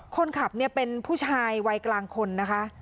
คนขับเนี่ยเป็นผู้ชายวัยกลางคนนะคะ